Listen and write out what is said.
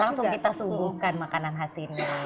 langsung kita sungguhkan makanan khas ini